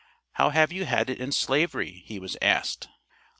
"How have you had it in slavery?" he was asked.